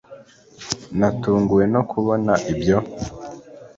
natunguwe no kubona ibyo